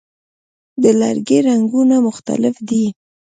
د لرګي رنګونه مختلف دي.